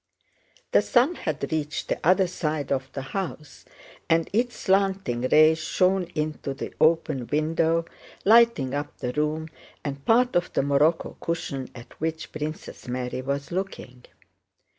The sun had reached the other side of the house, and its slanting rays shone into the open window, lighting up the room and part of the morocco cushion at which Princess Mary was looking.